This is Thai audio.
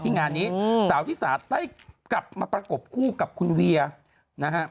งานนี้สาวที่สาได้กลับมาประกบคู่กับคุณเวียนะฮะ